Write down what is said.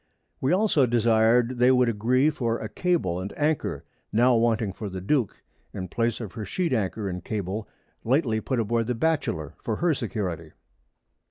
We also desir'd they would agree for a Cable and Anchor, now wanting for the_ Duke , in Place of her Sheet Anchor and Cable, lately put aboard the Batchelor _for her Security.